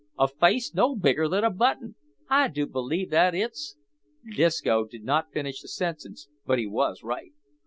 a face no bigger than a button! I do believe that it's " Disco did not finish the sentence, but he was right.